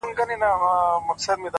خپل ژوند په ارزښتونو برابر کړئ!